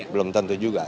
belum tentu juga